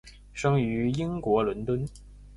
生于英国伦敦。